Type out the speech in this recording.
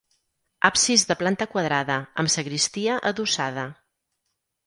Absis de planta quadrada, amb sagristia adossada.